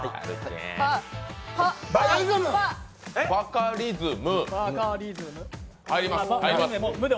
バカリズム。